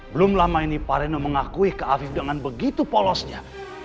belum lama ini pak reno mengakui ke afi dengan begitu polosnya